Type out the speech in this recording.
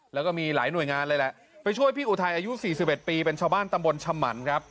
แล้วก็มีหลายหน่วยงานเลยแหละไปช่วยพี่อุทัยอายุ๔๑ปีเป็นชาวบ้านตำบลชะมันครับ